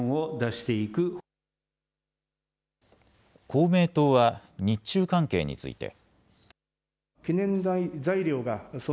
公明党は日中関係について。